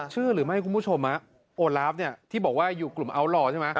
เชื่อหรือไม่คุณผู้ชมโอลาฟเนี่ยที่บอกว่าอยู่กลุ่มอัลลอร์ใช่ไหม